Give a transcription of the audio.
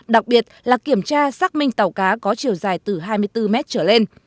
đặc biệt là kiểm tra xác minh tàu cá có chiều dài từ hai mươi bốn mét trở lên